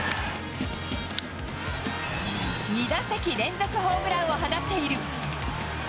２打席連続ホームランを放っている。